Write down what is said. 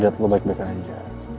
lihat lo baik baik aja